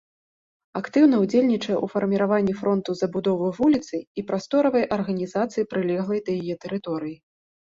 Актыўна ўдзельнічае ў фарміраванні фронту забудовы вуліцы і прасторавай арганізацыі прылеглай да яе тэрыторыі.